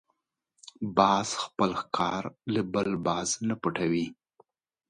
باز خپل ښکار له بل باز نه پټوي